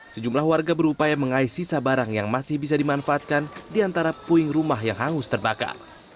sejumlah warga berupaya mengais sisa barang yang masih bisa dimanfaatkan di antara puing rumah yang hangus terbakar